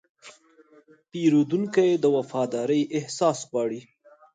پیرودونکی د وفادارۍ احساس غواړي.